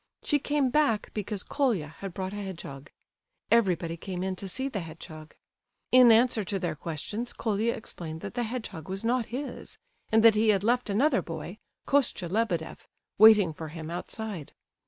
She came back because Colia had brought a hedgehog. Everybody came in to see the hedgehog. In answer to their questions Colia explained that the hedgehog was not his, and that he had left another boy, Kostia Lebedeff, waiting for him outside.